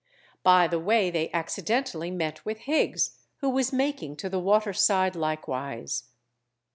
By the way they accidentally met with Higgs, who was making to the waterside likewise.